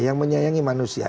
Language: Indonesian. yang menyayangi manusia